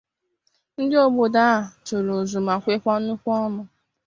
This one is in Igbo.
ndị obodo a tụrụ ụzụ ma nwekwaa nnukwu ọnụ